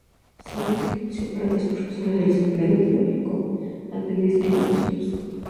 Se invitó a participar a tres profesores del Seminario Teológico Adventista y dos pastores.